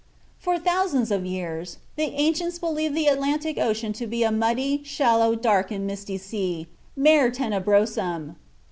For thousands of years the ancients believed the Atlantic Ocean to be "a muddy, shallow, dark, and misty sea, Mare tenebrosum."